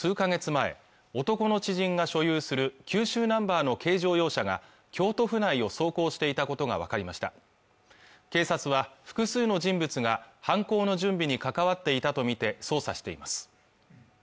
前男の知人が所有する九州ナンバーの軽乗用車が京都府内を走行していたことが分かりました警察は複数の人物が犯行の準備に関わっていたとみて捜査しています